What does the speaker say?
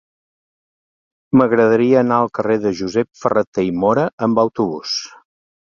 M'agradaria anar al carrer de Josep Ferrater i Móra amb autobús.